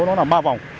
nó là ba vòng